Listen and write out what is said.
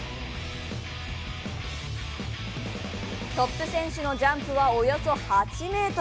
トップ選手のジャンプはおよそ８ｍ。